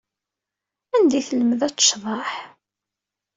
Anda ay telmed ad tecḍeḥ?